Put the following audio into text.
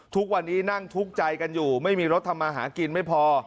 ทุกวันนี้นั่งทุกข์ใจกันอยู่ไม่มีรถทำมาหากินไม่พอ